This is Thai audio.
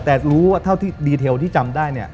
แต่รู้ว่าเท่าที่ทริกที่จำได้